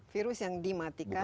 virus yang dimatikan